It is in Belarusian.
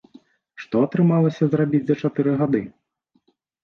Што атрымалася зрабіць за чатыры гады?